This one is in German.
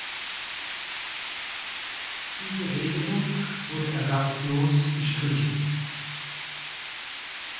Diese Regelung wurde ersatzlos gestrichen.